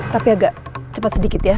tapi agak cepat sedikit ya